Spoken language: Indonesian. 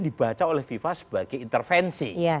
dibaca oleh fifa sebagai intervensi